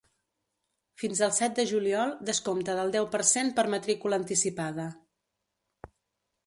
Fins al set de juliol, descompte del deu per cent per matrícula anticipada.